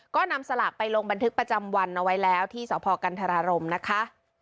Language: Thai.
ก็นำสลากไปลงบันทึกประจำวันเอาไว้แล้วที่สพกันธรารมนะคะ